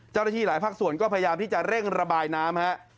เจ้าหน้าที่หลายภาคส่วนก็พยายามที่จะเร่งระบายน้ำฮะ